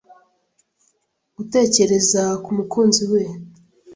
Gutekereza ku Mukunzi we